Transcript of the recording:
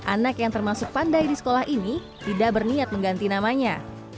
anak yang termasuk pandai di sekolah ini tidak berniat mengganti namanya